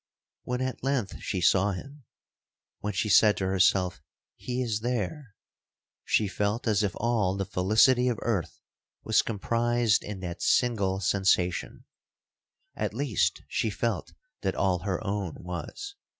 'When at length she saw him,—when she said to herself, He is there,—she felt as if all the felicity of earth was comprised in that single sensation,—at least she felt that all her own was.